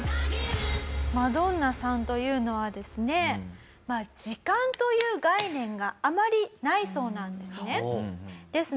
マドンナさんというのはですね時間という概念があまりないそうなんですね。